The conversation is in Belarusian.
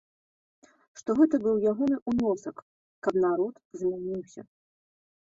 Што гэта быў ягоны ўнёсак, каб народ змяніўся.